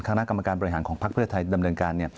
ข้างหน้ากรรมการบริหารของพักเพื่อไทยดำเนินการเนี่ย